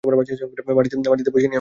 মাটিতে বসিনি আমি।